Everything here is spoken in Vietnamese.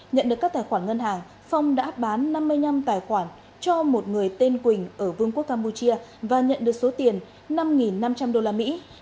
nhận được các tài khoản ngân hàng phong đã bán năm mươi năm tài khoản cho một người tên quỳnh ở vương quốc campuchia và nhận được số tiền năm năm trăm linh đô la mỹ